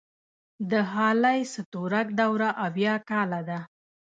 د هالی ستورک دوره اويا کاله ده.